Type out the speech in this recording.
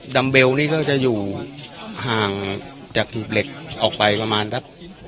ัมเบลนี่ก็จะอยู่ห่างจากหีบเหล็กออกไปประมาณสัก